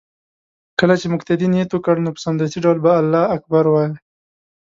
كله چې مقتدي نيت وكړ نو په سمدستي ډول به الله اكبر ووايي